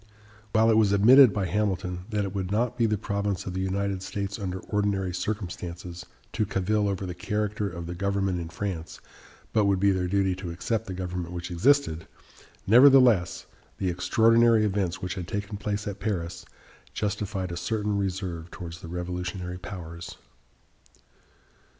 While it was admitted by Hamilton that it would not be the province of the United States under ordinary circumstances to cavil over the character of the government in France, but would be their duty to accept the government which existed, nevertheless, the extraordinary events which had taken place at Paris justified a certain reserve towards the revolutionary powers.